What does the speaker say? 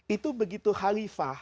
itu begitu halifah